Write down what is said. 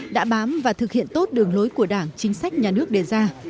đã bám và thực hiện tốt đường lối của đảng chính sách nhà nước đề ra